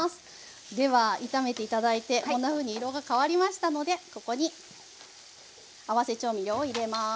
では炒めて頂いてこんなふうに色が変わりましたのでここに合わせ調味料を入れます。